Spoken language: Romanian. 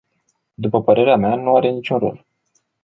După părerea mea, nu are niciun rol.